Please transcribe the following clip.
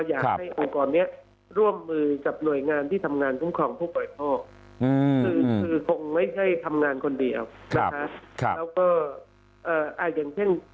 เราอยากให้องค์กรเนี้ยร่วมมือกับหน่วยงานที่ทำงานทุ่มของผู้ปล่อยโภคคงไม่ใช่ทำงานคนเดียวแล้วก็อาจอย่างเช่น